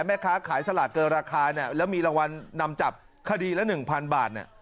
แม่ค้าขายสลากเกินราคาเนี่ยแล้วมีรางวัลนำจับคดีละ๑๐๐๐บาท